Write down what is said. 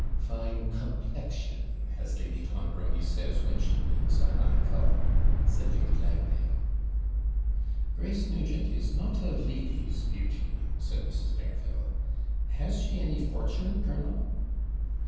'Fine COMPLEXION! as Lady Clonbrony says, when she means a high colour,' said Lady Langdale. 'Grace Nugent is not a lady's beauty,' said Mrs. Dareville. 'Has she any fortune, colonel?'